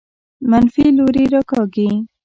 منفي لوري راکاږي.